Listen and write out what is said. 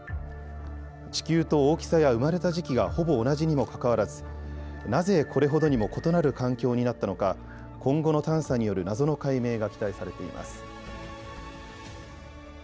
地球と大きさや生まれた時期がほぼ同じにもかかわらずなぜこれほどにも異なる環境になったのか今後の探査による謎の解明が期待されています。